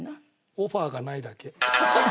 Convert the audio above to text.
オファーがないだけ。